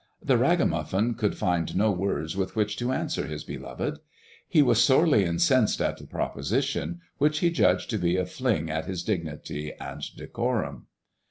The ragamuffin could find no words with which to answer his beloved. He was sorely incensed at the proposition, which he judged to be a fling at his dignity and decorum.